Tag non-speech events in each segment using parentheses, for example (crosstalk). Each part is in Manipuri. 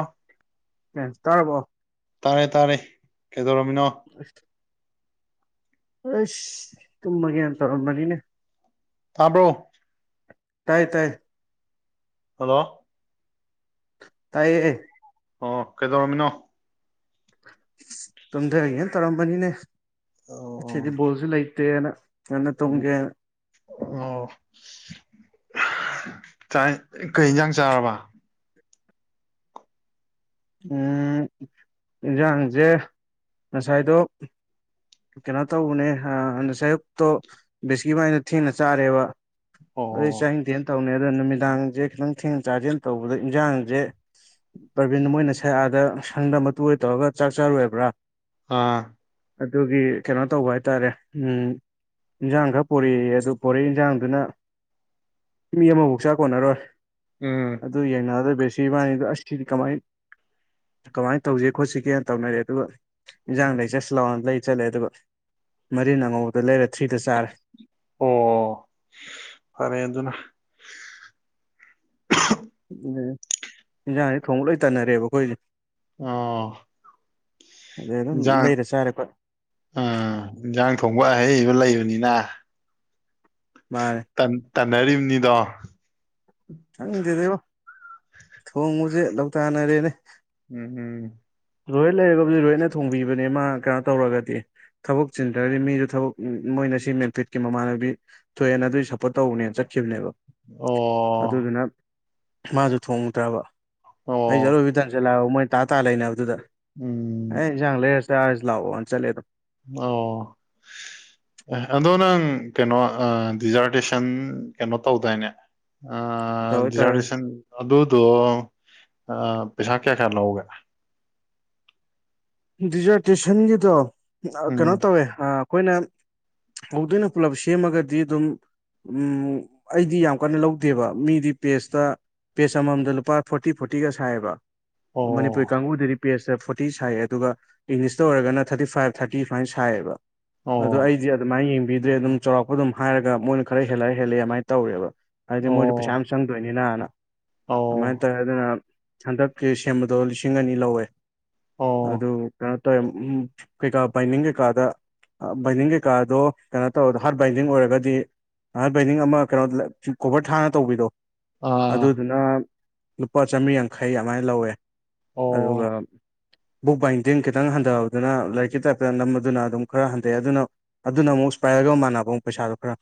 ꯑꯥ ꯀꯦꯟꯁ ꯇꯥꯔꯕꯣ ꯇꯥꯔꯦ ꯇꯥꯔꯦ ꯀꯩꯗꯧꯔꯝꯃꯤꯅꯣ ꯑꯁ ꯑꯁ ꯇꯨꯝꯃꯒꯦ ꯇꯧꯔꯝꯕꯅꯤꯅꯦ ꯇꯥꯕ꯭ꯔꯣ ꯇꯥꯏ ꯇꯥꯏ ꯍꯜꯂꯣ ꯇꯥꯏꯌꯦ ꯑꯣ ꯀꯩꯗꯧꯔꯝꯃꯤꯅꯣ ꯇꯨꯝꯊ ꯍꯦꯅ ꯇꯧꯔꯝꯕꯅꯤꯅꯦ ꯁꯤꯗꯤ ꯑꯣ ꯕꯣꯜꯁꯨ ꯂꯩꯇꯦꯅ ꯅꯅ ꯇꯨꯨꯡꯦ ꯑꯣ ꯀꯩ ꯏꯟꯁꯥꯡ ꯆꯥꯔꯕ ꯏꯟꯁꯥꯡꯁꯦ ꯉꯁꯥꯏꯗꯣ ꯀꯩꯅꯣ ꯇꯧꯕꯅꯦ ꯑ ꯁꯌꯨꯛꯇꯣ ꯕꯤꯁꯀꯤꯃꯥꯏꯅ ꯊꯦꯡꯅ ꯆꯥꯔꯦꯕ ꯑꯗꯨꯩ ꯑꯣ ꯆꯊꯦꯅ ꯇꯧꯅꯤ ꯑꯗꯣ ꯅꯨꯃꯤꯗꯥꯡꯁꯦ ꯈꯤꯇꯪ ꯊꯦꯡ ꯆꯥꯖꯦꯜ ꯇꯧꯕꯗ ꯏꯟꯁꯥꯡꯁꯦ ꯏꯚꯟ ꯃꯣꯏꯅ ꯁꯛꯑꯗ ꯁꯪꯗ ꯃꯇꯨ ꯑꯣꯏ ꯇꯧꯔꯒ ꯆꯥꯛ ꯆꯥꯔꯨꯏꯕ꯭ꯔꯥ ꯑꯥ ꯑꯗꯨꯒꯤ ꯀꯩꯅꯣ ꯇꯧꯕ ꯍꯥꯏꯇꯥꯔꯦ ꯎꯝ ꯏꯟꯖꯥꯡ ꯈꯔ ꯄꯣꯔꯛꯏꯦ ꯑꯗꯨ ꯄꯣꯔꯛꯏ ꯏꯟꯖꯥꯡꯗꯨꯅ ꯃꯤ ꯑꯃꯐꯧꯛ ꯆꯥꯛ ꯀꯣꯟꯅꯔꯣꯏ ꯎꯝ ꯑꯗꯨ ꯌꯦꯡꯅꯗꯣꯏ ꯕꯦ ꯁꯤ ꯏꯕꯥꯅꯤꯗ ꯑꯁꯤꯗꯤ ꯀꯃꯥꯏꯅ ꯀꯃꯥꯏꯅ ꯇꯧꯁꯤꯦ ꯈꯣꯠꯁꯤꯒꯦꯅ ꯇꯧꯅꯔꯦ ꯑꯗꯨꯒ ꯏꯟꯖꯥꯡꯗ ꯆꯠꯁ ꯂꯥꯎꯅ ꯂꯩ ꯆꯠꯂꯦ ꯑꯗꯨꯒ ꯃꯔꯤꯟ ꯑꯉꯧꯕꯗ ꯂꯩꯔꯦ ꯊ꯭ꯔꯤꯗ ꯆꯥꯔꯦ ꯑꯣ ꯐꯔꯦ ꯑꯗꯨꯅ ꯎꯝ ꯏꯟꯖꯥꯡꯁꯤ ꯊꯣꯡꯕ ꯂꯣꯏ ꯇꯅꯔꯦꯕ ꯑꯩꯈꯣꯏꯁꯦ ꯑꯣ ꯑꯗꯩ ꯑꯗꯨꯝ ꯏꯟꯖꯥꯡ ꯂꯩꯔꯦ ꯆꯥꯔꯦ ꯈꯣ ꯑꯥ ꯏꯟꯖꯥꯡ ꯊꯣꯡꯕ ꯑꯍꯩꯕ ꯂꯩꯕꯅꯤꯅ ꯚꯥꯏ ꯇꯟꯅꯔꯤꯕꯅꯤꯗꯣ ꯈꯪꯗꯦꯗꯔꯣ ꯊꯣꯡꯉꯨꯁꯦ ꯂ ꯂꯧꯇꯅꯔꯦꯅꯦ ꯎꯝ ꯎꯝ ꯂꯣꯏ ꯂꯩꯔꯒꯕꯨꯗꯤ ꯂꯣꯏꯅ ꯊꯣꯡꯕꯤꯕꯅꯦ ꯃꯥ ꯀꯩꯅꯣ ꯇꯧꯔꯒꯗꯤ ꯊꯕꯛ ꯆꯤꯟꯗ꯭ꯔꯒꯗꯤ ꯃꯤꯗꯨ ꯊꯕꯛ ꯃꯣꯏꯅ ꯁꯤ ꯃꯦꯟꯐꯤꯠꯀꯤ ꯃꯃꯥꯟꯅꯕꯤ ꯊꯣꯏꯑꯦꯅ ꯑꯗꯨꯏ ꯁꯞꯄꯣꯔꯠ ꯇꯧꯅꯦꯅ ꯆꯠꯈꯤꯕꯅꯦꯕ ꯑꯣ ꯑꯗꯨꯗꯨꯅ ꯃꯥꯁꯨ ꯊꯣꯡꯉꯨꯗ꯭ꯔꯕ ꯑꯩꯁꯦ ꯑꯣ ꯑꯠꯂꯣꯏꯕꯤꯗꯟꯁꯠꯂꯥꯛꯑ ꯃꯣꯏ ꯇꯥ ꯇꯥ ꯂꯩꯅꯦ ꯑꯗꯨꯗ ꯎꯝ ꯑꯩ ꯏꯟꯖꯥꯡ ꯂꯩꯔ ꯆꯥꯔꯁꯤ ꯂꯥꯛꯑꯣꯅ ꯆꯠꯂꯦꯗꯣ ꯑꯣ ꯑꯦ ꯑꯗꯣ ꯅꯪ ꯀꯩꯅꯣ ꯗꯤꯖꯥꯔꯇꯦꯁꯟ ꯀꯩꯅꯣ ꯇꯧꯗꯥꯏꯅꯦ ꯇꯧꯋꯦ ꯇꯧꯋꯦ ꯔꯤꯖꯥꯔꯕꯦꯁꯟ ꯑꯗꯨꯗꯣ ꯄꯩꯁꯥ ꯀꯌꯥ ꯀꯌꯥ ꯂꯧꯒꯦ ꯗꯤꯖꯔꯇꯦꯁꯟꯒꯤꯗꯣ ꯀꯩꯅꯣ ꯎꯝ ꯇꯧꯋꯦ ꯑꯩꯈꯣꯏꯅ ꯍꯧꯗꯣꯏꯅ ꯄꯨꯂꯞ ꯁꯦꯝꯃꯒꯗꯤ ꯑꯗꯨꯝ ꯎꯝ ꯑꯩꯗꯤ ꯌꯥꯝ ꯀꯟꯅ ꯂꯧꯗꯦꯕ ꯃꯤꯗꯤ ꯄꯦꯁꯇ ꯄꯦꯖ ꯑꯃꯃꯝꯗ ꯂꯨꯄꯥ ꯐꯣꯔꯇꯤ ꯐꯣꯔꯇꯤꯒ ꯁꯥꯏꯌꯦꯕ ꯃꯅꯤꯄꯨꯔꯤ ꯑꯣ ꯀꯥꯡꯕꯨꯗꯗꯤ ꯄꯦꯖꯇ ꯐꯣꯔꯇꯤ ꯁꯥꯏꯌꯦ ꯑꯗꯨꯒ ꯏꯪꯂꯤꯁꯇ ꯑꯣꯏꯔꯒꯅ ꯊꯥꯔꯇꯤ ꯐꯥꯏꯚ ꯊꯥꯔꯇꯤ ꯁꯨꯃꯥꯏꯅ ꯁꯥꯏꯌꯦꯕ ꯑꯗꯣ ꯑꯣ ꯑꯩꯗꯤ ꯑꯗꯨꯃꯥꯏꯅ ꯌꯦꯡꯕꯤꯗ꯭ꯔꯦ ꯑꯗꯨꯝ ꯆꯥꯎꯔꯥꯛꯄ ꯑꯗꯨꯝ ꯍꯥꯏꯔꯒ ꯃꯣꯏꯅ ꯈꯔ ꯍꯦꯜꯂꯑꯦ ꯍꯦꯜꯂꯛꯦꯃꯥꯏꯅ ꯇꯧꯔꯦꯕ ꯍꯥꯏꯗꯤ ꯃꯣꯏꯁꯨ ꯑꯣ ꯁꯦꯝꯁꯪꯗꯣꯏꯅꯤꯅꯅ ꯑꯣ ꯑꯗꯨꯃꯥꯏꯅ ꯇꯧꯋꯦ ꯑꯗꯨꯅ ꯍꯟꯗꯛꯀꯤ ꯁꯦꯝꯕꯗꯣ ꯂꯤꯁꯤꯡ ꯑꯅꯤ ꯂꯧꯋꯦ꯫ ꯑꯗꯨ ꯑꯣ ꯀꯩꯅꯣ ꯇꯧꯋꯦ ꯀꯩꯀꯥ ꯕꯥꯏꯅꯤꯡ ꯀꯩꯀꯥꯗ ꯑꯥ ꯕꯥꯏꯅꯤꯡ ꯀꯩꯀꯥꯗꯣ ꯀꯩꯅꯣ ꯇꯧꯔꯗꯣ ꯍꯥꯔꯠ ꯕꯥꯏꯅꯤꯡ ꯑꯣꯏꯔꯒꯗꯤ꯫ ꯅ ꯕꯥꯏꯅꯤꯡ ꯑꯃ ꯀꯩꯅꯣ ꯀꯣꯕꯔ ꯊꯥꯅ ꯇꯧꯕꯤꯗꯣ꯫ ꯑꯥ ꯑꯗꯨꯗꯨꯅ ꯂꯨꯄꯥ ꯆꯥꯝꯃꯔꯤ ꯌꯥꯡꯈꯩ ꯑꯗꯨꯃꯥꯏꯅ ꯂꯧꯋꯦ꯫ ꯑꯗꯨꯒ꯫ ꯑꯣ ꯕꯨꯛ ꯕꯥꯏꯟꯗꯤꯡ ꯈꯤꯇꯪ ꯍꯟꯊꯕꯗꯨꯅ ꯂꯥꯏꯔꯤꯛꯀꯤ ꯇꯥꯏꯞꯇ ꯅꯝꯕꯥꯗꯨꯅ ꯑꯗꯨꯝ ꯈꯔ ꯍꯟꯊꯩ ꯑꯗꯨꯅ ꯑꯗꯨꯅ ꯑꯃꯨꯛ ꯏꯁꯄ꯭ꯔꯥꯏꯔꯒ ꯃꯥꯟꯅꯕ ꯑꯃꯨꯛ ꯄꯩꯁꯥꯗꯣ ꯈꯔ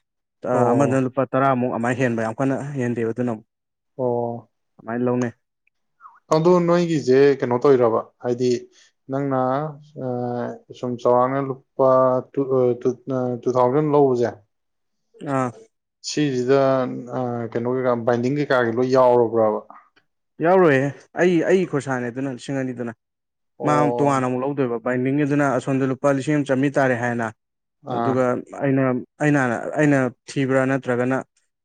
ꯑ ꯑꯃꯗꯨꯅ ꯑꯣ ꯂꯨꯄꯥ ꯇꯔꯥꯃꯨꯛ ꯑꯃꯥꯏ ꯍꯦꯟꯕ ꯌꯥꯝ ꯀꯟꯅ ꯍꯦꯟꯗꯦꯕ ꯑꯗꯨꯅ ꯑꯃꯨꯛ꯫ ꯑꯣ꯫ ꯑꯃꯥꯏ ꯂꯧꯅꯩ꯫ ꯑꯗꯣ ꯅꯣꯏꯒꯤꯁꯦ ꯀꯩꯅꯣ ꯇꯧꯔꯤꯔꯕ ꯍꯥꯏꯗꯤ ꯅꯪꯅ꯫ ꯁꯨꯝ ꯆꯥꯎꯔꯥꯛꯅ ꯂꯨꯄꯥ ꯇꯨ ꯊꯥꯎꯖꯟ ꯂꯧꯕꯁꯦ꯫ ꯑꯥ꯫ ꯁꯤꯁꯤꯗ ꯀꯩꯅꯣ ꯀꯩꯀꯥ ꯕꯥꯏꯟꯗꯤꯡ ꯀꯩꯀꯥꯒꯤ ꯂꯣꯏ ꯌꯥꯎꯔꯕ꯭ꯔꯕ꯫ ꯌꯥꯎꯔꯣꯏꯍꯦ ꯑꯩ ꯑꯩ ꯈꯣꯔꯁꯥꯅꯦ ꯑꯗꯨꯅ ꯂꯤꯁꯤꯡ ꯑꯅꯤꯗꯨꯅ ꯃꯥ ꯑꯣ ꯇꯣꯉꯥꯟꯅ ꯑꯃꯨꯛ ꯂꯧꯗꯣꯏꯕ꯫ ꯕꯥꯏꯟꯗꯤꯡꯒꯤꯗꯨꯅ ꯑꯁꯣꯝꯗ ꯂꯨꯄꯥ ꯂꯤꯁꯤꯡ ꯑꯃ ꯆꯥꯝꯃꯔꯤ ꯇꯥꯔꯦ ꯍꯥꯏꯔꯦꯅ ꯑꯗꯨꯒ ꯑꯩꯅ ꯑꯩꯅꯍꯟꯅ ꯑꯩꯅ ꯊꯤꯕ꯭ꯔꯥ ꯅꯠꯇ꯭ꯔꯒꯅ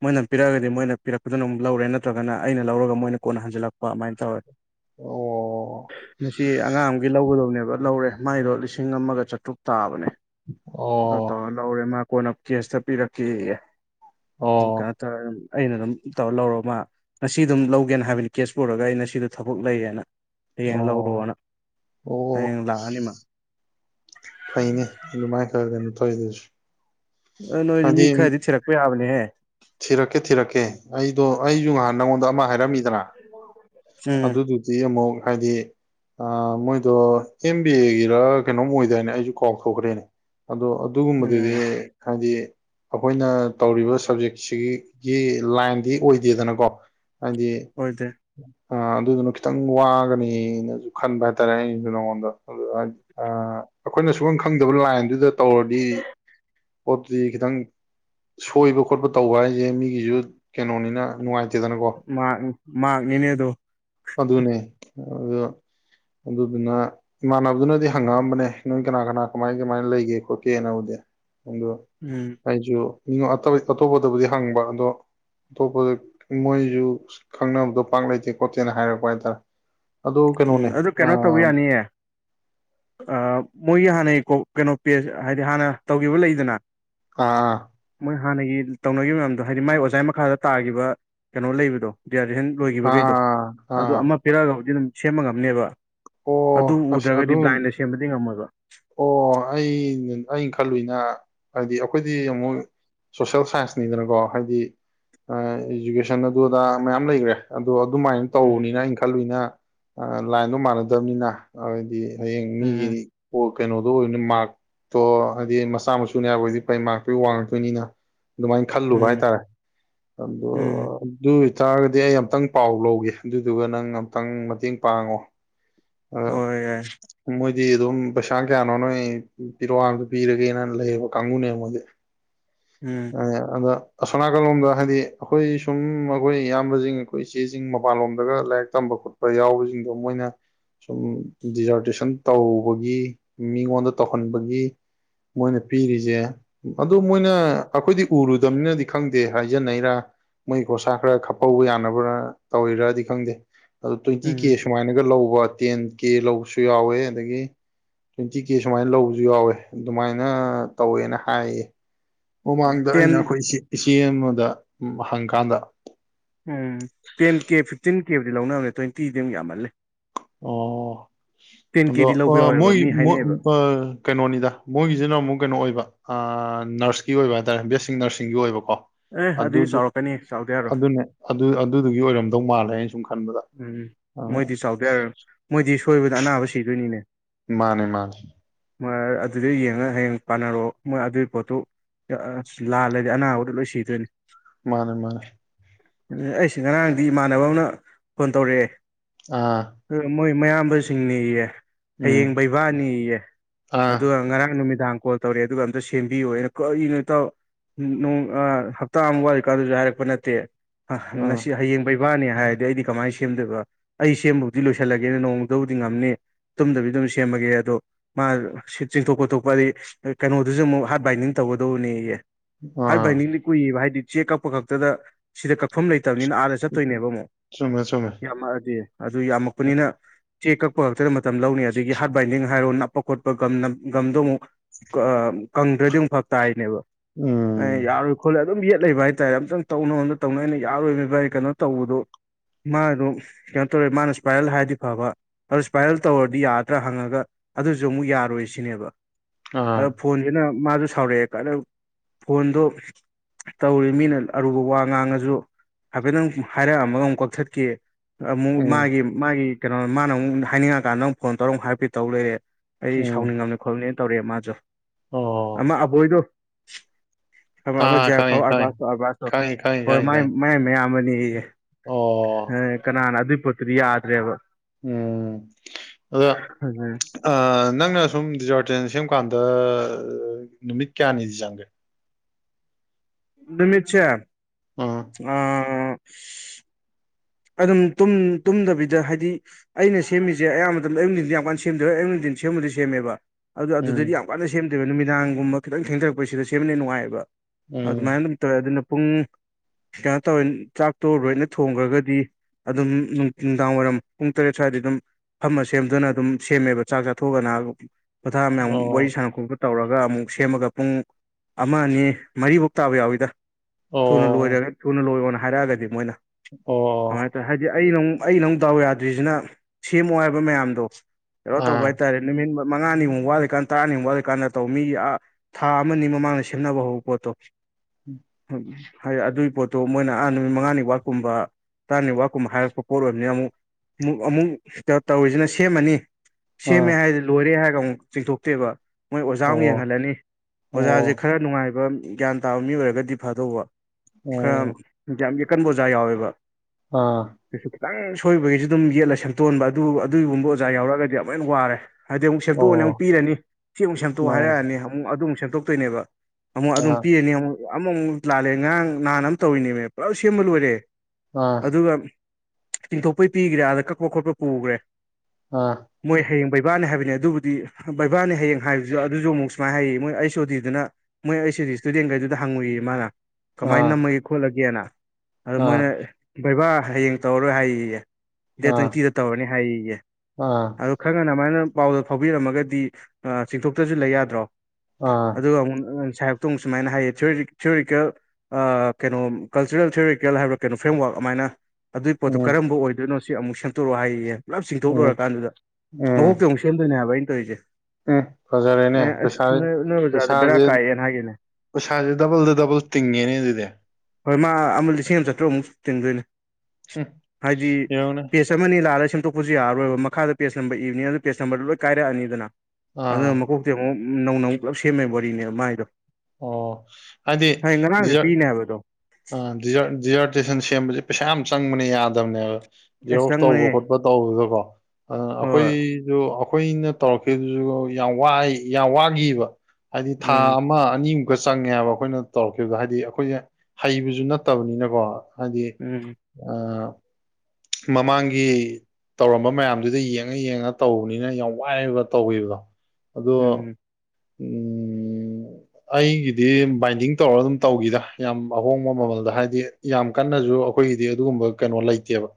ꯃꯣꯏꯅ ꯄꯤꯔꯛꯑꯒꯗꯤ ꯃꯣꯏꯅ ꯄꯤꯔꯛꯄꯗꯨꯅ ꯑꯃꯨꯛ ꯂꯧꯔꯦ ꯅꯠꯇ꯭ꯔꯒꯅ ꯑꯩꯅ ꯂꯧꯔꯒ ꯃꯣꯏꯅ ꯀꯣꯟꯅ ꯍꯟꯖꯤꯜꯂꯛꯄ ꯑꯗꯨꯃꯥꯏꯅ ꯇꯧꯋꯦ꯫ ꯑꯣ꯫ ꯉꯁꯤ ꯑꯉꯥꯡ ꯑꯃꯒꯤ ꯂꯧꯒꯗꯕꯅꯦꯕ ꯂꯧꯔꯦ ꯃꯥꯏꯗꯣ ꯂꯤꯁꯤꯡ ꯑꯃꯒ ꯆꯥꯇ꯭ꯔꯨꯛ ꯇꯥꯕꯅꯦ꯫ ꯑ ꯇꯧꯔ ꯂꯧꯔꯦ ꯃꯥ ꯀꯦꯟꯅ ꯀꯦꯁꯇ ꯄꯤꯔꯛꯀꯦꯌꯦ꯫ ꯑꯩꯅ ꯑꯗꯨꯝ ꯇꯧꯔ ꯂꯧꯔꯣ ꯃꯥ ꯉꯁꯤ ꯑꯗꯨꯝ ꯒꯦꯟ ꯍꯥꯏꯕꯅꯤ ꯀꯦꯁ ꯄꯨꯔꯒ ꯑꯩꯅ ꯁꯤꯗ ꯊꯕꯛ ꯂꯩꯔꯦꯅ ꯍꯌꯦꯡ ꯂꯧꯔꯣꯅ ꯍꯌꯦꯡ ꯂꯥꯛꯑꯅꯤ ꯃꯥ꯫ ꯐꯩꯅꯦ ꯑꯗꯨ ꯃꯥꯥꯏ ꯈꯔ ꯈꯔ ꯀꯩꯅꯣ ꯇꯧꯔꯤꯗꯨꯁꯨ꯫ ꯑꯗꯨ ꯅꯣꯏꯁꯨ ꯃꯤ ꯈꯔꯗꯤ ꯊꯤꯔꯛꯄ ꯌꯥꯕꯅꯦꯍꯦ꯫ ꯊꯤꯔꯛꯀꯦ ꯊꯤꯔꯛꯀꯦ ꯑꯩꯗꯣ ꯑꯩꯁꯨ ꯅꯍꯥꯟ ꯅꯪꯉꯣꯟꯗ ꯑꯃ ꯍꯥꯏꯔꯝꯃꯤꯗꯅ꫰꫰ ꯎꯝ ꯑꯗꯨꯗꯨꯗꯤ ꯑꯃꯨꯛ ꯍꯥꯏꯗꯤ꯫ ꯑ ꯃꯣꯏꯗꯣ ꯑꯦꯝ ꯕꯤ ꯑꯦꯒꯤꯔ ꯀꯩꯅꯣꯝ ꯑꯣꯏꯗꯥꯏꯅꯦ ꯑꯩꯁꯨ ꯀꯥꯎꯊꯣꯛꯈ꯭ꯔꯦꯅꯦ꯫ ꯑꯗꯣ ꯑꯗꯨꯒꯨꯝꯕꯗꯨꯗꯤ ꯎꯝ ꯍꯥꯏꯗꯤ ꯑꯩꯈꯣꯏꯅ ꯇꯧꯔꯤꯕ ꯁꯕꯖꯦꯛꯁꯤ ꯒꯤ ꯂꯥꯏꯟꯗꯤ ꯑꯣꯏꯗꯦꯗꯅꯀꯣ ꯍꯥꯏꯗꯤ꯫ ꯑꯣꯏꯗꯦ꯫ ꯑ ꯑꯗꯨꯗꯨꯅ ꯈꯤꯇꯪ ꯋꯥꯒꯅꯤꯅꯁꯨ ꯈꯟꯕ ꯍꯥꯏꯇꯥꯔꯦ ꯑꯩꯅꯁꯨ ꯅꯉꯣꯟꯗ ꯑꯗꯨꯗ ꯑꯩꯈꯣꯏꯅ ꯁꯨꯛꯈꯪ ꯈꯪꯗꯕ ꯂꯥꯏꯟꯗꯨꯗ ꯇꯧꯔꯗꯤ꯫ ꯄꯣꯠꯇꯨꯗꯤ ꯈꯤꯇꯪ ꯁꯣꯏꯕ ꯈꯣꯠꯄ ꯇꯧꯕ ꯍꯥꯏꯁꯦ ꯃꯤꯒꯤꯁꯨ ꯀꯩꯅꯣꯅꯤꯅ ꯅꯨꯡꯉꯥꯏꯇꯦꯗꯅꯀꯣ꯫ ꯃꯥꯛ ꯃꯥꯛꯅꯤꯅꯦ ꯑꯗꯣ꯫ ꯑꯗꯨꯅꯦ ꯑꯗꯣ ꯑꯗꯨꯗꯨꯅ꯫ ꯏꯃꯥꯟꯅꯕꯗꯨꯅꯗꯤ ꯍꯪꯉꯛꯑꯝꯕꯅꯦ ꯅꯣꯏ ꯀꯅꯥ ꯀꯅꯥ ꯀꯃꯥꯏ ꯀꯃꯥꯏꯅ ꯂꯩꯒꯦ ꯈꯣꯠꯀꯦꯅꯕꯨꯗꯤ ꯑꯗꯨ ꯎꯝ꯫ ꯑꯩꯁꯨ ꯎꯪ ꯑꯇꯣꯏ ꯑꯇꯣꯞꯄꯗꯕꯨꯗꯤ ꯍꯪꯕ ꯑꯗꯣ ꯑꯇꯣꯞꯄꯗ ꯃꯣꯏꯁꯨ ꯈꯪꯅꯕꯗꯣ ꯄꯥꯛ ꯂꯩꯇꯦ ꯈꯣꯠꯇꯦꯅ ꯍꯥꯏꯔꯛꯄ ꯍꯥꯏꯇꯥꯔꯦ꯫ ꯑꯗꯣ ꯎꯝ ꯀꯩꯅꯣꯅꯦ ꯑꯗꯨ ꯀꯩꯅꯣ ꯇꯧꯕ ꯑꯥ ꯌꯥꯅꯤꯌꯦ꯫ ꯑ ꯃꯣꯏꯒꯤ ꯍꯥꯟꯅꯩ ꯀꯩꯅꯣ ꯄꯦꯁ ꯍꯥꯏꯗꯤ ꯍꯥꯟꯅ ꯇꯧꯈꯤꯕ ꯂꯩꯗꯅ꯫ ꯑꯥ ꯑꯥ꯫ ꯃꯣꯏ ꯍꯥꯟꯅꯒꯤ ꯇꯧꯅꯈꯤꯕ ꯃꯌꯥꯝꯗꯣ ꯍꯥꯏꯗꯤ ꯃꯥꯏ ꯑꯣꯖꯥꯒꯤ ꯃꯈꯥꯗ ꯇꯥꯈꯤꯕ ꯀꯩꯅꯣ ꯂꯩꯕꯗꯣ꯫ ꯗꯤꯌꯥꯗꯦꯁꯟ ꯂꯣꯏꯈꯤꯕꯈꯩꯗꯣ ꯑꯥ ꯑꯗꯨꯗꯣ ꯑꯥ ꯑꯃ ꯄꯤꯔꯛꯑꯒꯕꯨꯗꯤ ꯑꯗꯨꯝ ꯁꯦꯝꯕꯥ ꯉꯝꯅꯤꯕ ꯑꯣ ꯑꯗꯨ ꯑꯁ ꯎꯗ꯭ꯔꯒꯗꯤ ꯑꯗꯨ ꯕ꯭ꯂꯥꯏꯟꯗ ꯁꯦꯝꯕꯗꯤ ꯉꯝꯃꯣꯏꯕ꯫ ꯑꯣ ꯑꯩ ꯑꯩꯅ ꯈꯜꯂꯨꯏꯅ ꯍꯥꯏꯗꯤ ꯑꯩꯈꯣꯏꯗꯤ ꯑꯃꯨꯛ ꯁꯣꯁꯦꯜ ꯁꯥꯏꯟꯁꯅꯤꯗꯅꯀꯣ ꯍꯥꯏꯗꯤ ꯏꯖꯨꯀꯦꯁꯟ ꯑꯗꯨꯗ ꯃꯌꯥꯝ ꯂꯩꯒ꯭ꯔꯦ ꯑꯗꯣ ꯑꯗꯨꯃꯥꯏꯅ ꯇꯧꯕꯅꯤꯅ ꯎꯝ ꯑꯩꯅ ꯈꯜꯂꯨꯏꯅ ꯂꯥꯏꯟꯗꯣ ꯃꯥꯟꯅꯗꯕꯅꯤꯅ ꯍꯥꯏꯗꯤ ꯍꯌꯦꯡ ꯃꯤꯒꯤ ꯎꯝ ꯀꯣꯜ ꯀꯩꯅꯣꯗꯣ ꯑꯣꯏꯅꯦ ꯃꯥꯔꯛ ꯇꯣ ꯍꯥꯏꯗꯤ ꯃꯆꯥ ꯃꯁꯨꯅꯦ ꯍꯥꯏꯕꯣꯏꯗꯤ ꯐꯩ ꯃꯥꯔꯛꯇꯒꯤ ꯋꯥꯡꯉꯛꯇꯣꯏꯅꯤꯅ ꯑꯗꯨꯃꯥꯏꯟ ꯈꯜꯂꯨꯕ ꯎꯝ ꯍꯥꯏꯇꯥꯔꯦ ꯑꯗꯣ ꯎꯝ ꯑꯗꯨ ꯑꯣꯏꯇꯥꯔꯒꯗꯤ ꯑꯩ ꯑꯝꯇꯪ ꯄꯥꯎ ꯂꯧꯒꯦ ꯑꯗꯨꯗꯨꯒ ꯅꯪ ꯑꯝꯇꯪ ꯃꯇꯦꯡ ꯄꯥꯡꯉꯣ ꯑꯥ ꯍꯣꯏ ꯌꯥꯏ ꯃꯣꯏꯗꯤ ꯑꯗꯨꯝ ꯄꯩꯁꯥ ꯀꯌꯥꯅꯣ ꯅꯣꯏ ꯄꯤꯔꯣ ꯍꯥꯏꯕꯗ ꯄꯤꯔꯒꯦꯅ ꯂꯩꯌꯦꯕ ꯀꯥꯡꯕꯨꯅꯦ ꯃꯣꯏꯗꯤ ꯎꯝ ꯑꯗ ꯑꯁꯣꯅꯥꯀꯜ ꯂꯣꯝꯗ ꯍꯥꯏꯗꯤ ꯑꯩꯈꯣꯏ ꯁꯨꯝ ꯑꯩꯈꯣꯏ ꯏꯌꯥꯝꯕꯖꯤꯡ ꯑꯩꯈꯣꯏ ꯏꯆꯦꯖꯤꯡ ꯃꯄꯥꯟꯂꯣꯝꯗꯒ ꯂꯥꯏꯔꯤꯛ ꯇꯝꯕ ꯈꯣꯠꯄ ꯌꯥꯎꯕꯁꯤꯡꯗꯣ ꯃꯣꯏꯅ ꯁꯨꯝ ꯗꯤꯖꯥꯔꯇꯦꯁꯟ ꯇꯧꯕꯒꯤ ꯃꯤꯉꯣꯟꯗ ꯇꯧꯍꯟꯕꯒꯤ ꯃꯣꯏꯅ ꯄꯤꯔꯤꯖꯦ ꯑꯗꯨ ꯃꯣꯏꯅ ꯑꯩꯈꯣꯏꯗꯤ ꯎꯔꯨꯗꯕꯅꯤꯅꯗꯤ ꯈꯪꯗꯦ ꯍꯥꯏꯖꯅꯩꯔꯥ ꯃꯣꯏ ꯈꯣꯔꯁꯥ ꯈꯔ ꯈꯞꯄꯧꯕ ꯌꯥꯅꯕ꯭ꯔꯥ ꯇꯧꯔꯤꯔꯗꯤ ꯈꯪꯗꯦ ꯑꯗꯨ ꯇ꯭ꯋꯦꯟꯇꯤ ꯎꯝ ꯀꯦ ꯁꯨꯃꯥꯏꯅꯒ ꯂꯧꯕ ꯇꯦꯟ ꯀꯦ ꯂꯧꯕꯁꯨ ꯌꯥꯎꯋꯦ ꯑꯗꯒꯤ ꯇ꯭ꯋꯦꯟꯇꯤ ꯀꯦ ꯁꯨꯃꯥꯏꯅ ꯂꯧꯕꯁꯨ ꯌꯥꯎꯋꯦ ꯑꯗꯨꯃꯥꯏꯅ ꯇꯧꯋꯦꯅ ꯍꯥꯏꯌꯦ ꯃꯃꯥꯡꯗ ꯇꯦꯟ ꯑꯩꯅ ꯑꯩꯈꯣꯏ ꯏꯆꯦ ꯑꯃꯗ ꯍꯪꯀꯥꯟꯗ ꯎꯝ ꯇꯦꯟ ꯀꯦ ꯐꯤꯐꯇꯤꯟ ꯀꯦꯕꯨꯗꯤ ꯂꯧꯅꯕꯅꯦ ꯇ꯭ꯋꯦꯟꯇꯤꯗꯤ ꯃꯨꯛ ꯌꯥꯝꯃꯜꯂꯦ ꯑꯣ ꯇꯦꯟ ꯑꯗꯣ ꯀꯦꯗꯤ ꯂꯧꯕ ꯑꯥ ꯌꯥꯎꯋꯦꯕ ꯃꯣꯏ ꯃꯤ ꯃꯣꯏ ꯍꯥꯏꯅꯩꯑꯕ ꯑꯥ ꯀꯩꯅꯣꯅꯤꯗ ꯃꯣꯏꯒꯤꯁꯤꯅ ꯑꯃꯨꯛ ꯀꯩꯅꯣ ꯑꯣꯏꯕ ꯑꯥ ꯅꯔꯁꯀꯤ ꯑꯣꯏꯕ ꯍꯥꯏꯇꯥꯔꯦ ꯕꯦꯁꯁꯤꯡ ꯅꯔꯁꯤꯡꯒꯤ ꯑꯣꯏꯕꯀꯣ ꯑꯦ ꯑꯗꯨꯗꯤ ꯑꯗꯨꯗꯨ ꯆꯥꯎꯔꯛꯀꯅꯤ ꯆꯥꯎꯗ ꯌꯥꯔꯣꯏ ꯑꯗꯨꯅꯦ ꯑꯗꯨ ꯑꯗꯨꯗꯨꯒꯤ ꯑꯣꯏꯔꯝꯗꯧ ꯃꯥꯜꯂꯦ ꯑꯩꯅ ꯁꯨꯝ ꯈꯟꯕꯗ ꯎꯝ ꯑꯥ ꯃꯣꯏꯗꯤ ꯆꯥꯎꯗ ꯌꯥꯔꯣꯏ ꯃꯣꯏꯗꯤ ꯁꯣꯏꯕꯗ ꯑꯅꯥꯕ ꯁꯤꯗꯣꯏꯅꯤꯅꯦ ꯃꯥꯅꯦ ꯃꯥꯅꯦ ꯃꯣꯏ ꯑꯗꯨꯗ ꯌꯦꯡꯉꯒ ꯍꯌꯦꯡ ꯄꯥꯟꯅꯔꯛꯑꯣ ꯃꯣꯏ ꯑꯗꯨꯒꯤ ꯄꯣꯠꯇꯨ ꯑꯁ ꯂꯥꯜꯂꯗꯤ ꯑꯅꯥꯕꯗ ꯂꯣꯏ ꯁꯤꯗꯣꯏꯅꯦ ꯃꯥꯅꯦ ꯃꯥꯅꯦ ꯑꯩꯁ ꯉꯔꯥꯡꯗꯤ ꯏꯃꯥꯟꯅꯕ ꯑꯃꯅ ꯐꯣꯟ ꯇꯧꯔꯛꯑꯦ ꯑꯥ ꯃꯣꯏ ꯃꯌꯥꯝꯕꯖꯤꯡꯅꯤꯌꯦ ꯎꯝ ꯍꯌꯦꯡ ꯕꯩꯕꯥꯅꯤꯌꯦ ꯑꯥ ꯑꯗꯨꯒ ꯉꯔꯥꯡ ꯅꯨꯃꯤꯗꯥꯡ ꯀꯣꯜ ꯇꯧꯔꯦ ꯑꯗꯨꯒ ꯑꯝꯇ ꯁꯦꯝꯕꯤꯌꯨ ꯑꯩꯅ ꯀꯥꯔꯤꯅꯣ ꯏꯇꯥꯎ ꯅꯣꯡ ꯑꯥ ꯍꯞꯇꯥ ꯑꯃꯨꯛ ꯋꯥꯠꯂꯤ ꯀꯥꯟꯗꯖꯨ ꯍꯥꯏꯔꯛꯄ ꯅꯠꯇꯦ ꯑꯥ ꯉꯁꯤ ꯍꯌꯦꯡ ꯕꯩꯕꯥꯅꯤ ꯍꯥꯏꯔꯗꯤ ꯑꯩꯗꯤ ꯀꯃꯥꯏꯟ ꯁꯦꯝꯗꯣꯏꯕ ꯑꯩ ꯁꯦꯝꯕꯕꯨꯗꯤ ꯂꯣꯏꯁꯤꯜꯂꯒꯦꯅ ꯅꯣꯡꯃꯗꯕꯨꯗꯤ ꯉꯝꯅꯤ ꯇꯨꯝꯗꯕꯤ ꯑꯗꯨꯝ ꯁꯦꯝꯃꯒꯦ ꯑꯗꯣ ꯃꯥ ꯁꯤ ꯆꯤꯡꯊꯣꯛ ꯈꯣꯠꯇꯣꯛꯄ ꯑꯩ ꯀꯩꯅꯣꯗꯨꯁꯨ ꯑꯃꯨꯛ ꯍꯥꯔꯠ ꯕꯥꯏꯟꯗꯤꯡ ꯇꯧꯒꯗꯧꯕꯅꯦꯌꯦ ꯍꯥꯏꯔꯠ ꯑꯥ ꯕꯥꯏꯅꯤꯡꯗꯤ ꯀꯨꯏꯌꯦꯕ ꯍꯥꯏꯗꯤ ꯆꯦ ꯀꯛꯄ ꯈꯛꯇꯗ ꯁꯤꯗ ꯀꯛꯐꯝ ꯂꯩꯇꯕꯅꯤꯅ ꯑꯥꯗ ꯆꯠꯇꯣꯏꯅꯦꯕ ꯑꯃꯨꯛ ꯆꯨꯝꯃꯦ ꯆꯨꯝꯃꯦ ꯌꯥꯝꯃꯛꯑꯗꯤ ꯑꯗꯨ ꯌꯥꯝꯃꯛꯄꯅꯤꯅ ꯆꯦꯛ ꯀꯛꯄ ꯈꯛꯇꯅ ꯃꯇꯝ ꯂꯧꯅꯤ ꯑꯗꯒꯤ ꯍꯥꯔꯠ ꯕꯥꯏꯟꯗꯤꯡ ꯍꯥꯏꯔꯣ ꯅꯞꯄ ꯈꯣꯠꯄ ꯒ ꯒꯝꯗꯣ ꯑꯃꯨꯛ ꯀꯪꯗ꯭ꯔꯗꯤ ꯑꯃꯨꯛ ꯐꯔꯛ ꯇꯥꯏꯅꯦꯕ ꯎꯝ ꯌꯥꯔꯣꯏ ꯈꯣꯠꯂꯣꯏ ꯑꯗꯨꯝ ꯌꯦꯠ ꯂꯩꯕ ꯍꯥꯏꯇꯥꯔꯦ ꯑꯝꯇꯪ ꯇꯧꯅꯕ ꯑꯝꯇ ꯇꯧꯅ ꯑꯩꯅ ꯌꯥꯔꯣꯏꯃꯦ ꯚꯥꯏ ꯀꯩꯅꯣ ꯇꯧꯕꯗꯣ ꯃꯥꯗꯨ ꯀꯩꯅꯣ ꯇꯧꯔꯦ ꯃꯥꯅ ꯏꯁꯄꯥꯏꯔꯦꯜ ꯍꯥꯏꯔꯗꯤ ꯐꯕ ꯑꯗꯨꯣ ꯏꯁꯄꯥꯏꯔꯦꯜ ꯇꯧꯋꯔꯗꯤ ꯌꯥꯗ꯭ꯔꯥ ꯍꯪꯉꯒ ꯑꯗꯨꯁꯨ ꯑꯃꯨꯛ ꯌꯥꯔꯣꯏ ꯁꯤꯅꯦꯕ ꯑꯗꯣ ꯑꯥ ꯐꯣꯟꯖꯤꯅ ꯃꯥꯖꯨ ꯁꯥꯎꯔꯛꯑꯦ ꯀꯟꯅ ꯐꯣꯟꯗꯣ ꯇꯧꯔꯤ ꯃꯤꯅ ꯑꯔꯨꯕ ꯋꯥ ꯉꯥꯡꯉꯖꯨ ꯍꯥꯏꯐꯦꯠꯇꯪ ꯍꯥꯏꯔꯛꯑꯝꯃꯒ ꯑꯃꯨꯛ ꯀꯛꯊꯠ ꯀꯦ ꯑꯃꯨꯛ ꯎꯝ ꯃꯥꯒꯤ ꯃꯥꯒꯤ ꯀꯩꯅꯣ ꯃꯥꯅ ꯑꯃꯨꯛ ꯍꯥꯏꯅꯤꯡꯉꯀꯥꯟꯗ ꯑꯃꯨꯛ ꯐꯣꯟ ꯇꯧꯔ ꯑꯃꯨꯛ ꯍꯥꯏꯔꯞꯄꯤ ꯇꯧꯔ ꯂꯩꯔꯦ ꯑꯩꯗꯤ ꯎꯝ ꯁꯥꯎꯅꯤꯡꯉꯝꯅꯤ ꯈꯣꯜꯅꯦ ꯇꯧꯔꯛꯑꯦ ꯃꯥꯁꯨ ꯑꯃ ꯑꯕꯣꯏꯗꯣ ꯑꯃ ꯖꯦꯐꯥꯎ ꯑꯔꯕꯥ ꯑꯔꯕꯥꯇꯣ ꯍꯣꯏ ꯃꯥ ꯃꯥꯏ ꯃꯌꯥꯝꯕꯅꯦꯌꯦ ꯑꯣ ꯍ ꯀꯅꯥꯅ ꯑꯗꯨꯏ ꯄꯣꯠꯇꯗꯤ ꯌꯥꯗ꯭ꯔꯦꯕ ꯎꯝ ꯑꯗ ꯅꯪꯅ ꯁꯨꯝ ꯗꯤꯖꯥꯔꯇꯦꯟ ꯁꯦꯝꯕꯀꯥꯟꯗ ꯅꯨꯃꯤꯠ ꯀꯌꯥꯅꯤꯗꯤ ꯆꯪꯒꯦ ꯅꯨꯃꯤꯠꯁꯦ ꯎꯝ ꯑ ꯑꯗꯨꯝ ꯇꯨꯝ ꯇꯨꯝꯗꯕꯤꯗ ꯍꯥꯏꯗꯤ ꯑꯩꯅ ꯁꯦꯝꯃꯤꯖꯦ ꯑꯌꯥꯝꯕ ꯃꯇꯝꯗ ꯑꯌꯨꯛ ꯅꯨꯡꯊꯤꯟꯖꯦ ꯌꯥꯝ ꯀꯥꯟ ꯁꯦꯝꯗꯦꯕ ꯑꯌꯨꯛ ꯅꯨꯡꯊꯤꯟ ꯁꯦꯝꯕꯨꯗꯤ ꯁꯦꯝꯃꯦꯕ ꯑꯗꯨ ꯑꯗꯨꯗꯗꯤ ꯌꯥꯝ ꯀꯟꯅ ꯁꯦꯝꯗꯦꯕ ꯅꯨꯃꯤꯗꯥꯡꯒꯨꯝꯕ ꯈꯤꯇꯪ ꯊꯦꯡꯗꯔꯛꯄꯁꯤꯗ ꯁꯦꯝꯕꯅ ꯅꯨꯡꯉꯥꯏꯑꯦꯕ ꯑꯗꯨꯃꯥꯏꯅ ꯇꯧꯋꯦ ꯑꯗꯨꯅ ꯄꯨꯡ ꯀꯩꯅꯣ ꯇꯧꯋꯦ ꯆꯥꯛꯇꯣ ꯂꯣꯏꯅ ꯊꯣꯡꯈ꯭ꯔꯒꯗꯤ ꯑꯗꯨꯝ ꯅꯨꯡ ꯗꯥꯡꯋꯥꯏꯔꯝ ꯄꯨꯡ ꯇꯔꯦꯠ ꯁ꯭ꯋꯥꯏꯗ ꯑꯗꯨꯝ ꯐꯝꯃ ꯁꯦꯝꯗꯨꯅ ꯑꯗꯨꯝ ꯁꯦꯝꯃꯦꯕ ꯆꯥꯛ ꯆꯥꯊꯣꯛꯑꯒꯅ ꯄꯣꯊꯥ ꯃꯌꯥꯝ ꯋꯥꯔꯤ ꯁꯥꯟꯅ ꯈꯣꯠꯄ ꯇꯧꯔꯒ ꯑꯃꯨꯛ ꯁꯦꯝꯃꯒ ꯄꯨꯡ ꯑꯃ ꯑꯅꯤ ꯃꯔꯤꯐꯧ ꯇꯥꯕ ꯌꯥꯎꯋꯤꯗ ꯊꯨꯅ ꯂꯣꯏꯔ ꯊꯨꯅ ꯂꯣꯏꯌꯣꯅ ꯍꯥꯏꯔꯛꯑꯒꯗꯤ ꯃꯣꯏꯅ ꯑꯗꯨꯃꯥꯏꯅ ꯑꯣ ꯍꯥꯏꯗꯤ ꯑꯩꯩꯅ ꯑꯃꯨꯛ ꯑꯩꯅ ꯑꯃꯨꯛ ꯗꯥꯎ ꯌꯥꯗ꯭ꯔꯤꯁꯤꯅ ꯁꯦꯝꯃꯣ ꯍꯥꯏꯕ ꯃꯌꯥꯝꯗꯣ ꯀꯩꯅꯣ ꯇꯧꯕ ꯍꯥꯏꯇꯥꯔꯦ ꯅꯨꯃꯤꯠ ꯃꯉꯥꯅꯤꯃꯨꯛ ꯋꯥꯠꯂꯤꯀꯥꯟꯗ ꯇꯔꯥꯅꯤꯃꯨꯛ ꯋꯥꯠꯂꯤꯀꯥꯟꯗ ꯇꯧ ꯃꯤ ꯊꯥ ꯑꯃꯅꯤ ꯃꯃꯥꯡꯗ ꯁꯦꯝꯅꯕ ꯍꯧꯕ ꯄꯣꯠꯇꯣ ꯎꯝ ꯍꯥꯏ ꯑꯗꯨꯏ ꯄꯣꯠꯇꯣ ꯃꯣꯏꯅ ꯑꯥ ꯅꯨꯃꯤꯠ ꯃꯉꯥꯅꯤ ꯋꯠꯀꯨꯝꯕ ꯇꯥꯅꯤ ꯋꯥꯀꯨꯝꯕ ꯍꯥꯏꯔꯛꯄ ꯄꯣꯠ ꯑꯣꯏꯕꯅꯤꯅ ꯑꯃꯨꯛ ꯑꯃꯨꯛ ꯇꯧꯔꯤꯁꯤꯅ ꯁꯦꯝꯃꯅꯤ ꯁꯦꯝꯃꯦ ꯍꯥꯏꯗꯤ ꯂꯣꯏꯔꯦ ꯍꯥꯏꯔꯒ ꯑꯃꯨꯛ ꯆꯤꯡꯊꯣꯛꯇꯦꯕ ꯃꯣꯏ ꯑꯣꯖꯥ ꯑꯃꯨ ꯌꯦꯡꯍꯜꯂꯅꯤ ꯑꯣꯖꯥꯁꯦ ꯈꯔ ꯅꯨꯡꯉꯥꯏꯕ ꯒ꯭ꯌꯥꯟ ꯇꯥꯕ ꯃꯤ ꯑꯣꯏꯔꯒꯗꯤ ꯐꯥꯗꯧꯕ ꯈꯔ ꯌꯥꯝ ꯌꯦꯛꯀꯟꯕ ꯑꯣꯖꯥ ꯌꯥꯎꯋꯦꯕ ꯑꯥ ꯀꯩꯁꯨ ꯈꯤꯇꯪ ꯁꯣꯏꯕꯒꯤꯁꯨ ꯑꯗꯨꯝ ꯌꯦꯠꯂ ꯁꯦꯝꯇꯣꯟꯕ ꯑꯗꯨ ꯑꯗꯨꯒꯨꯝꯕ ꯑꯣꯖꯥ ꯌꯥꯎꯔꯛꯑꯒꯗꯤ ꯑꯃꯨꯛ ꯍꯦꯟꯅꯋꯥꯔꯦ ꯍꯥꯏꯗꯤ ꯑꯃꯨꯛ ꯁꯦꯝꯗꯣꯛꯑꯅꯤ ꯑꯃꯨꯛ ꯄꯤꯔꯅꯤ ꯁꯤ ꯑꯃꯨꯛ ꯁꯦꯝꯗꯣꯛꯑꯣ ꯍꯥꯏꯔꯛꯑꯅꯤ ꯑꯃꯨꯛ ꯑꯗꯨ ꯑꯃꯨꯛ ꯁꯦꯝꯗꯣꯛꯇꯣꯏꯅꯦꯕ ꯑꯃꯨꯛ ꯑꯗꯨꯝ ꯄꯤꯔꯅꯦ ꯑꯃꯨꯛ ꯑꯃꯃꯨꯛ ꯂꯥꯜꯂꯦ ꯉꯔꯥꯡ ꯅꯍꯥꯟ ꯑꯃ ꯇꯧꯔꯤꯅꯦꯅꯦ ꯄꯨꯂꯞ ꯁꯦꯝꯕ ꯂꯣꯏꯔꯦ ꯑ ꯑꯗꯨꯒ ꯇꯤꯡꯊꯣꯛꯄꯩ ꯄꯤꯒꯦꯔꯥꯗ ꯀꯛꯄ ꯈꯣꯠꯄ ꯄꯨꯈ꯭ꯔꯦ ꯑꯥ ꯃꯣꯏ ꯍꯌꯦꯡ ꯕꯩꯕꯥꯅꯦ ꯍꯥꯏꯕꯅꯤ ꯑꯗꯨꯕꯨꯗꯤ ꯕꯩꯕꯥꯅꯦ ꯍꯌꯦꯡ ꯍꯥꯏꯕꯗꯨ ꯑꯗꯨꯁꯨ ꯑꯃꯨꯛ ꯁꯨꯃꯥꯏꯅ ꯍꯌꯦ ꯃꯣꯏ ꯑꯩꯁ ꯑꯣꯗꯤ ꯗꯨꯅ ꯃꯣꯏ ꯑꯩꯁ ꯗꯤ ꯁ ꯏꯁꯇꯨꯗꯦꯟ ꯒꯥꯩꯗꯨꯗ ꯍꯪꯉꯨꯏ ꯃꯥꯅ ꯀꯃꯥꯏ ꯅꯝꯃꯒꯦ ꯈꯣꯠꯂꯒꯦꯅ ꯑꯗ ꯃꯣꯏꯅ ꯕꯩꯕꯥ ꯍꯌꯦꯡ ꯇꯧꯔꯔꯣꯏ ꯍꯥꯏꯌꯦ ꯗꯦꯠ ꯇ꯭ꯋꯦꯟꯇꯤꯗ ꯇꯧꯔꯅꯤ ꯍꯥꯏꯌꯦ ꯑ ꯈꯔ ꯉꯟꯅ ꯑꯗꯨꯃꯥꯏꯅ ꯄꯥꯎꯗꯣ ꯐꯥꯎꯕꯤꯔꯝꯃꯒꯗꯤ ꯆꯤꯡꯊꯣꯛꯇꯁꯨ ꯂꯩ ꯌꯥꯗ꯭ꯔꯣ ꯑ ꯑꯗꯨꯒ ꯑꯃꯨꯛ ꯉꯁꯥꯏꯌꯨꯛꯇꯣ ꯑꯃꯨꯛ ꯁꯨꯃꯥꯏꯅ ꯍꯥꯏꯌꯦ ꯊꯤꯌꯣ ꯊꯤꯌꯣꯔꯤꯀꯦꯜ ꯑ ꯀꯩꯅꯣ ꯀꯜꯆꯔꯦꯜ ꯊꯤꯌꯣꯔꯤꯀꯦꯜ ꯍꯥꯏꯕ꯭ꯔꯥ ꯀꯩꯅꯣ ꯐ꯭ꯔꯦꯝꯋꯥꯔꯛ ꯑꯃꯥꯏꯅ ꯑꯗꯨꯒꯤ ꯄꯣꯠꯇꯣ ꯀꯔꯝꯕ ꯑꯣꯏꯗꯣꯏꯅꯣ ꯁꯤ ꯑꯃꯨꯛ ꯁꯦꯝꯠꯇꯣꯔꯛꯑꯣ ꯍꯥꯏꯌꯦꯑꯦ ꯄꯨꯂꯞ ꯆꯤꯡꯊꯣꯛ ꯂꯣꯏꯔꯀꯥꯟꯗꯨꯗ ꯃꯀꯣꯛꯇꯩ ꯑꯃꯨꯛ ꯁꯦꯝꯗꯣꯏꯅꯦ ꯍꯥꯏꯕ ꯑꯩꯅ ꯇꯧꯔꯤꯁꯦ ꯎꯝ ꯐꯖꯔꯦꯅꯦ ꯑꯦ ꯄꯩꯁꯥ ꯑꯁ ꯅꯣꯏ ꯅꯣꯏ ꯑꯣꯖꯥꯗꯣ ꯕꯦꯔꯥ ꯄꯩꯁꯥꯁꯦ ꯀꯥꯏꯑꯦꯅ ꯍꯥꯏꯒꯤꯅꯦ ꯄꯩꯁꯥꯁꯦ ꯗꯕꯜꯗ ꯗꯕꯜ ꯇꯤꯡꯉꯦꯅꯦ ꯑꯗꯨꯗꯤ ꯍꯣꯏ ꯃꯥ ꯑꯃ ꯂꯤꯁꯤꯡ ꯑꯃ ꯆꯥꯇ꯭ꯔꯨꯛꯃꯨꯛ ꯇꯤꯡꯗꯣꯏꯅꯦ ꯍꯨꯝ ꯍꯥꯏꯗꯤ ꯌꯦꯡꯉꯨꯅꯦ ꯇꯦꯁ ꯆꯞꯑꯃꯅꯤ ꯂꯥꯛꯑꯒ ꯁꯦꯝꯗꯣꯛꯄꯁꯨ ꯌꯥꯔꯣꯏꯕ ꯃꯈꯥꯗ ꯄꯦꯖ ꯅꯝꯕꯔ ꯏꯕꯅꯤ ꯑꯗꯨꯅ ꯄꯦꯖ ꯅꯝꯕꯔꯗ ꯂꯣꯏ ꯀꯥꯏꯔꯛꯑꯅꯤꯗꯅ ꯑꯥ ꯑꯗꯨꯅ ꯃꯀꯣꯛꯇꯤ ꯑꯃꯨꯛ ꯅꯧꯅ ꯑꯃꯨꯛ ꯄꯨꯂꯞ ꯁꯦꯝꯃꯦꯕ ꯋꯥꯔꯤꯅꯦꯕ ꯃꯥꯏꯗꯣ ꯑꯣ ꯍꯥꯏꯗꯤ ꯍꯣꯏ ꯉꯔꯥꯡꯁꯨ ꯖꯔ ꯄꯤꯅꯦ ꯍꯥꯏꯕꯗꯣ ꯑ ꯗꯤꯖꯥꯔꯇꯦꯁꯟ ꯁꯦꯝꯕꯁꯦ ꯄꯩꯁꯥ ꯌꯥꯝ ꯆꯪꯕꯅꯦ ꯌꯥꯗꯕꯅꯦꯕ ꯑꯦꯁ ꯖꯦꯔꯣꯛꯁ ꯇꯧꯕ ꯆꯪꯕꯅꯦ ꯈꯣꯠꯄ ꯇꯧꯕꯗꯨꯗꯀꯣ ꯑꯗꯨ ꯑꯩꯈꯣꯏ ꯍꯣꯏ ꯑꯗꯨ ꯑꯩꯈꯣꯏꯅ ꯇꯧꯔꯛꯈꯤꯕꯗꯨꯁꯨ ꯌꯥꯝ ꯋꯥꯏ ꯌꯥꯝ ꯋꯥꯈꯤꯕ ꯍꯥꯏꯗꯤ ꯊꯥ ꯎꯝ ꯑꯃ ꯑꯅꯤꯃꯨꯛꯀ ꯆꯪꯉꯦꯕ ꯑꯩꯈꯣꯏꯅ ꯇꯧꯔꯛꯈꯤꯕꯗꯣ ꯍꯥꯏꯗꯤ ꯑꯩꯈꯣꯏꯁꯦ ꯍꯩꯕꯁꯨ ꯅꯠꯇꯕꯅꯤꯅꯀꯣ ꯍꯥꯏꯗꯤ ꯎꯝ ꯃꯃꯥꯡꯒꯤ ꯇꯧꯔꯝꯕ ꯃꯌꯥꯝꯗꯨꯗ ꯌꯦꯡꯉ ꯌꯦꯡꯉ ꯇꯧꯕꯅꯤꯅ ꯌꯥꯝ ꯋꯥꯏꯕ ꯇꯧꯈꯤꯕꯗꯣ ꯑꯣ ꯎꯝ ꯎꯝ (unintelligible) ꯑꯩꯒꯤꯗꯤ ꯕꯥꯏꯟꯗꯤꯡ ꯇꯧꯔ ꯑꯗꯨꯝ ꯇꯧꯈꯤꯗ ꯌꯥꯝ ꯑꯍꯣꯡꯕ ꯃꯃꯜꯗ ꯍꯥꯏꯗꯤ ꯌꯥꯝ ꯀꯟꯅꯁꯨ ꯑꯩꯈꯣꯏꯒꯤꯗꯤ ꯑꯗꯨꯒꯨꯝꯕ ꯀꯩꯅꯣ ꯂꯩꯇꯦꯕ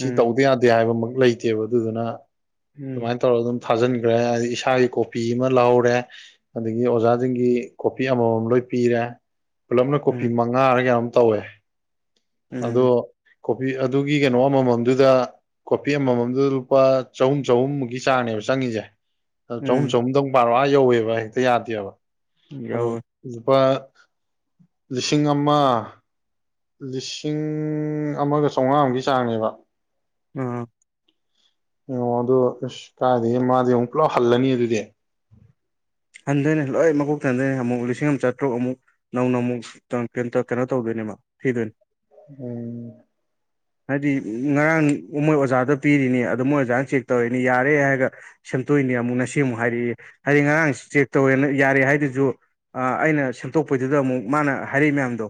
ꯁꯤ ꯇꯧꯗ ꯌꯥꯗꯦ ꯍꯥꯏꯕꯃꯛ ꯂꯩꯇꯦꯕ ꯑꯗꯨꯗꯨꯅ ꯎꯝ ꯑꯗꯨꯃꯥꯏꯅ ꯇꯧꯔꯒ ꯑꯗꯨꯝ ꯊꯥꯖꯤꯟꯈ꯭ꯔꯦ ꯍꯥꯏꯗꯤ ꯏꯁꯥꯒꯤ ꯀꯣꯄꯤ ꯑꯃ ꯂꯥꯎꯔꯦ ꯑꯗꯒꯤ ꯑꯣꯖꯥꯁꯤꯡꯒꯤ ꯀꯣꯄꯤ ꯑꯃꯃꯝ ꯂꯣꯏ ꯄꯤꯔꯦ ꯄꯨꯂꯞꯅ ꯀꯣ ꯎꯝ ꯃ ꯉꯥꯔꯒ ꯑꯃ ꯇꯧꯋꯦ ꯑꯗꯣ ꯀꯣꯕꯤ ꯑꯗꯨꯒꯤ ꯀꯩꯅꯣ ꯑꯃꯃꯝꯗꯨꯗ ꯀꯣꯐꯤ ꯑꯃꯃꯝꯗꯨꯗ ꯂꯨꯄꯥ ꯆꯍꯨꯝ ꯆꯍꯨꯝꯃꯨꯛꯀꯤ ꯆꯥꯡꯅꯦꯕ ꯆꯪꯉꯤꯁꯦ ꯆꯍꯨꯝ ꯎꯝ ꯆꯍꯨꯝꯗꯪ ꯄꯥꯔꯣ ꯑ ꯌꯧꯋꯦꯕ ꯍꯦꯛꯇ ꯌꯥꯗꯦꯕ ꯎꯝ ꯑꯗꯨ ꯌꯥꯎꯋꯦ ꯂꯨꯄꯥ ꯂꯤꯁꯤꯡ ꯑꯃ ꯂꯤꯁꯤꯡ ꯑꯃꯒ ꯆꯥꯝꯃꯉꯥ ꯑꯃꯒꯤꯒꯤ ꯆꯥꯡꯅꯦꯕ ꯎꯝ ꯑꯣ ꯑꯗꯨꯗ ꯑꯁ ꯀꯥꯏꯗꯒꯤ ꯃꯥꯗꯤ ꯑꯃꯨꯛ ꯄꯨꯂꯞ ꯍꯜꯂꯅꯤ ꯑꯗꯨꯗꯤ ꯍꯟꯊꯣꯏꯅꯦ ꯂꯣꯏ ꯃꯀꯣꯛ ꯊꯟꯗꯣꯏꯅꯦ ꯑꯃꯨꯛ ꯂꯤꯁꯤꯡ ꯑꯃ ꯆꯥꯇ꯭ꯔꯨꯛ ꯑꯃꯨꯛ ꯅꯧꯅ ꯑꯃꯨꯛ ꯀꯩꯅꯣ ꯇꯧꯗꯣꯏꯅꯦꯕ ꯊꯤꯗꯣꯏꯅꯤ ꯎꯝ (unintelligible) ꯍꯥꯏꯗꯤ ꯉꯔꯥꯡ ꯃꯣꯏ ꯑꯣꯖꯥꯗ ꯄꯤꯔꯤꯅꯤ ꯑꯗꯨ ꯃꯣꯏ ꯑꯣꯖꯥꯅ ꯆꯦꯛ ꯇꯧꯔꯛꯏꯅꯤ ꯌꯥꯔꯦ ꯍꯥꯏꯔꯒ ꯁꯦꯝꯇꯣꯛꯏꯅꯦ ꯑꯃꯨꯛ ꯉꯁꯤ ꯑꯃꯨꯛ ꯍꯥꯏꯔꯛꯑꯦ ꯍꯥꯏꯗꯤ ꯉꯔꯥꯡ ꯆꯦꯛ ꯇꯧꯋꯦꯅ ꯌꯥꯔꯦ ꯍꯥꯏꯗꯨꯁꯨ ꯑꯩꯅ ꯁꯦꯝꯗꯣꯛꯄꯩꯗꯨꯗ ꯑꯃꯨꯛ ꯃꯥꯅ ꯍꯥꯏꯔꯛꯏ ꯃꯌꯥꯝꯗꯣ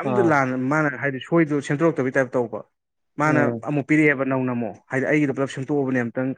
ꯑꯝꯇ ꯑꯥ ꯂꯥꯟꯅ ꯃꯥꯅ ꯍꯥꯏꯗꯤ ꯁꯣꯏꯗ ꯁ ꯁꯦꯝꯇꯣꯔꯛꯇꯕꯒꯤ ꯇꯥꯏꯞꯇ ꯇꯧꯕ ꯃꯥꯅ ꯎꯝ ꯑꯃꯨꯛ ꯄꯤꯔꯛꯑꯦꯕ ꯅꯧꯅ ꯑꯃꯨꯛ ꯍꯥꯏꯗꯤ ꯑꯩꯒꯤꯗꯣ ꯄꯨꯂꯞ ꯁꯦꯝꯇꯣꯛꯑꯕꯅꯦ ꯑꯝꯛꯇꯪ